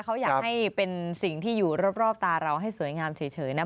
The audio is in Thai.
เขาอยากให้เป็นสิ่งที่อยู่รอบตาเราให้สวยงามเฉยนะ